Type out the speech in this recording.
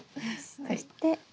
そして。